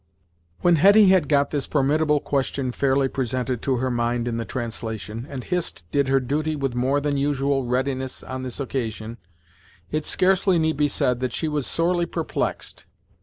When Hetty had got this formidable question fairly presented to her mind in the translation, and Hist did her duty with more than usual readiness on this occasion, it scarcely need be said that she was sorely perplexed.